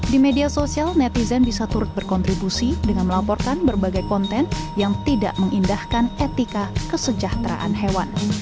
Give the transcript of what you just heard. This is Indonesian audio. di media sosial netizen bisa turut berkontribusi dengan melaporkan berbagai konten yang tidak mengindahkan etika kesejahteraan hewan